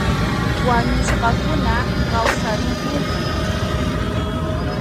Wañusqakuna kawsarimpunku